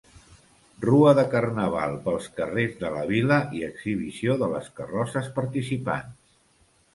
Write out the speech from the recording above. Rua de carnaval pels carrers de la vila i exhibició de les carrosses participants.